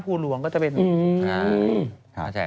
เรื่องจริงสิ